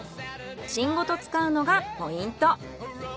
芯ごと使うのがポイント。